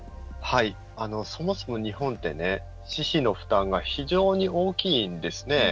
そもそも日本って私費の負担が非常に大きいんですね。